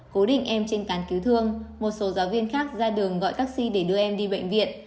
cố định em trên cán cứu thương một số giáo viên khác ra đường gọi taxi để đưa em đi bệnh viện